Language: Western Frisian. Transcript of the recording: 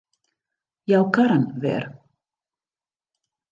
Jou karren wer.